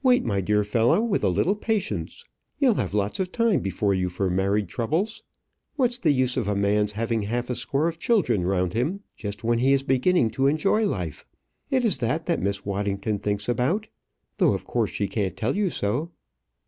"Wait, my dear fellow, with a little patience; you'll have lots of time before you for married troubles. What's the use of a man having half a score of children round him just when he is beginning to enjoy life? It is that that Miss Waddington thinks about; though, of course, she can't tell you so."